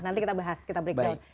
nanti kita bahas kita breakdown